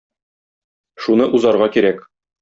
Шуны узарга кирәк.